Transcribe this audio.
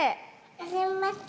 はじめまして。